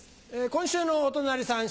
今週のお隣さん